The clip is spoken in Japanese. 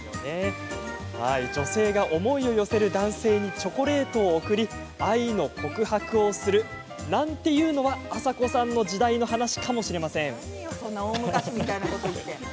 女性が思いを寄せる男性にチョコレートを贈り愛の告白をするなんていうのはあさこさんの時代の話かもしれません。